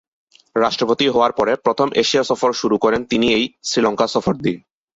রাষ্ট্রপতি হওয়ার পরে, প্রথম এশিয়া সফর শুরু করেন তিনি এই শ্রীলঙ্কা সফর দিয়ে।